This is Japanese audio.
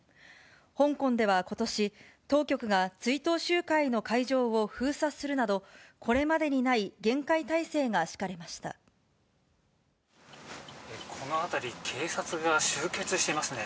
香港ではことし、当局が追悼集会の会場を封鎖するなど、これまでにない厳戒態勢がこの辺り、警察が集結していますね。